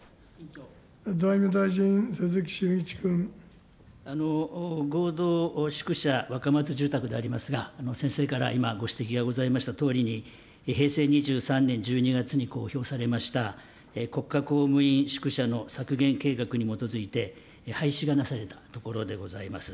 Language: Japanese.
財務大臣、合同宿舎若松住宅でありますが、先生から今、ご指摘がございましたとおりに、平成２３年１２月に公表されました国家公務員宿舎の削減計画に基づいて、廃止がなされたところでございます。